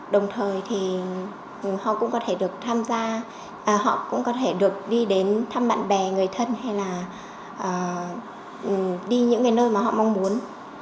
đồng thời họ cũng có thể được đi đến thăm bạn bè người thân hay là đi những nơi mà họ mong muốn